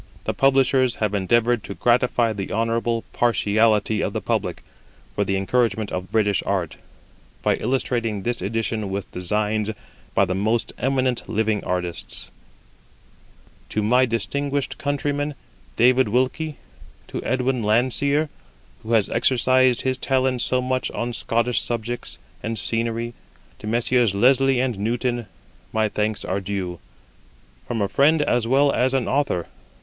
The publishers have endeavoured to gratify the honourable partiality of the public for the encouragement of British art, by illustrating this edition with designs by the most eminent living artists. [Footnote: The illustrations here referred to were made for the edition of 1829] To my distinguished countryman, David Wilkie, to Edwin Landseer, who has exercised his talents so much on Scottish subjects and scenery, to Messrs. Leslie and Newton, my thanks are due, from a friend as well as an author.